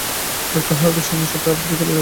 ডঃ হারভে সামনের সপ্তাহে আফ্রিকা চলে যাচ্ছেন।